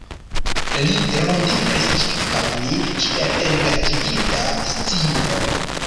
Li rondiris ĉirkaŭ mi, kiel enkaĝigita sciuro.